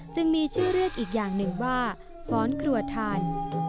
จึงมีชื่อเรียกอีกอย่างหนึ่งว่าฟ้อนครัวทาน